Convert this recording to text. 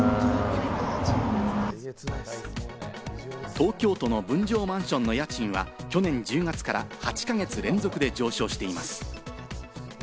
東京都の分譲マンションの家賃は去年１１月から８か月連続で上昇しています。